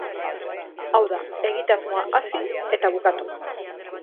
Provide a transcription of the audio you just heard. Hau da, egitasmoa hasi eta bukatu.